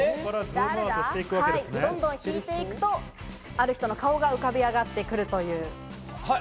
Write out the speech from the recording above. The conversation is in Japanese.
どんどん引いていくと、ある人の顔が浮かび上がってくるという。